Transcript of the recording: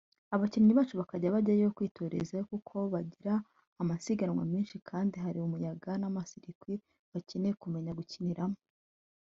Abakinnyi bacu bakajya bajyayo kwitorezayo kuko bagira amasiganwa menshi kandi hari umuyaga n’ama circuit bakeneye kumenya gukiniramo